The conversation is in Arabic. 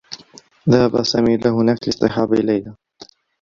ذهب سامي إلى هناك لاصطحاب ليلى.